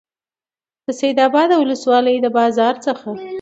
د سیدآباد د ولسوالۍ د بازار څخه